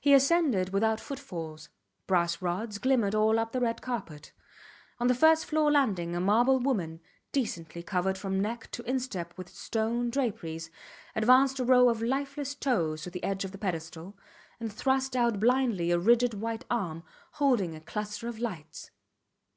He ascended without footfalls. Brass rods glimmered all up the red carpet. On the first floor landing a marble woman, decently covered from neck to instep with stone draperies, advanced a row of lifeless toes to the edge of the pedestal, and thrust out blindly a rigid white arm holding a cluster of lights.